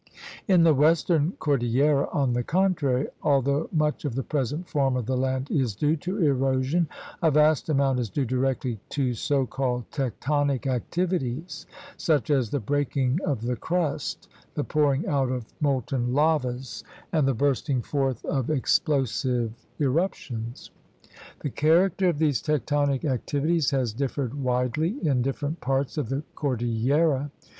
In the western cordillera, on the contrary, al though much of the present form of the land is due to erosion, a vast amount is due directly to so called "tectonic" activities such as the breaking of the crust, the pouring out of molten lavas, and the bursting forth of explosive eruptions. The character of these tectonic activities has differed widely in different parts of the cordillera.